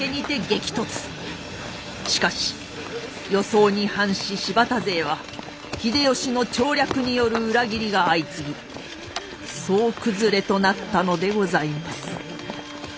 しかし予想に反し柴田勢は秀吉の調略による裏切りが相次ぎ総崩れとなったのでございます。